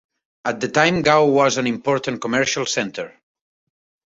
At the time Gao was an important commercial center.